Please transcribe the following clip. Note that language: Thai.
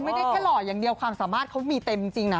ไม่ได้แค่หล่ออย่างเดียวความสามารถเขามีเต็มจริงนะ